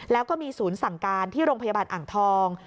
แล้วก็มีศูนย์สั่งการที่โรงพยาบาลอ่างทอง